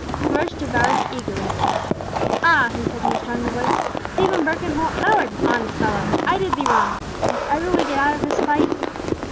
George devoured it eagerly. "Ah!" he said, in a stronger voice, "Stephen Birkenholt, thou art an honest fellow. I did thee wrong. If ever we get out of this plight!"